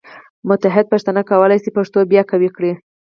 متحد پښتانه کولی شي پښتو بیا قوي کړي.